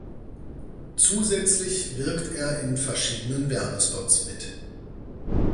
Zusätzlich wirkt er in verschiedenen Werbespots mit.